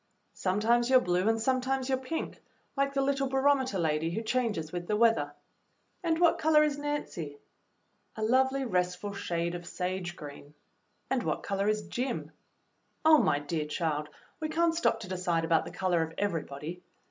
"Sometimes you're blue and sometimes you're pink, like the little barometer lady who changes with the weather." "And what color is Nancy .^" "A lovely, restful shade of sage green." "And what color is Jim.'^" "Oh, my dear child, we can't stop to decide about the color of everybody.